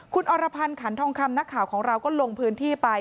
คุณอรพันธ์ขันทองคำนักข่าวของเราก็ลงพื้นที่ไป